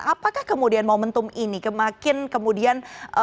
apakah kemudian momentum ini kemakin kemudian